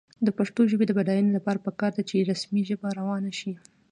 د پښتو ژبې د بډاینې لپاره پکار ده چې رسمي ژبه روانه شي.